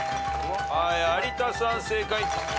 有田さん正解。